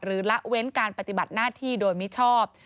ละเว้นการปฏิบัติหน้าที่โดยมิชอบ